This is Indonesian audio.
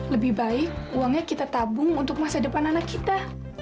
lebih baik uangnya kita tabung untuk masa depan anak kita